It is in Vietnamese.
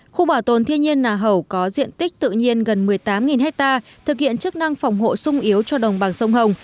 khu bảo tồn thiên nhiên nà hẩu có diện tích tự nhiên gần một mươi tám hectare thực hiện chức năng phòng hộ sung yếu cho đồng bằng sông hồng